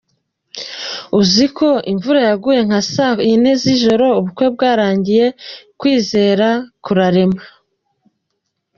Uzi ko imvura yaguye nka saa yine z’ijoro ubukwe bwarangiye? Kwizera kurarema.